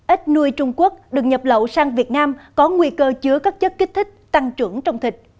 ít nuôi trung quốc được nhập lậu sang việt nam có nguy cơ chứa các chất kích thích tăng trưởng trong thịt